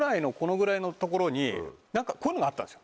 こういうのがあったんですよ。